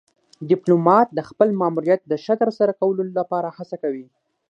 ډيپلومات د خپل ماموریت د ښه ترسره کولو لپاره هڅه کوي.